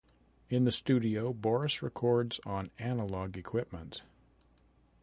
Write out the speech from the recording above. In the studio, Boris records on analog equipment.